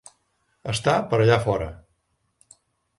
Està per allà fora.